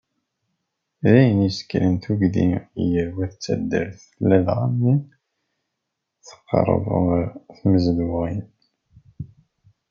D ayen i isekkren tuggdi gar wat n taddart, ladɣa imi teqreb yer tnezduɣin.